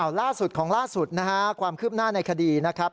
ล่าสุดของล่าสุดนะฮะความคืบหน้าในคดีนะครับ